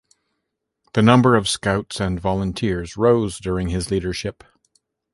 The number of Scouts and volunteers rose during his leadership.